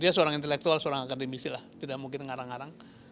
dia seorang intelektual seorang akademisi lah tidak mungkin ngarang ngarang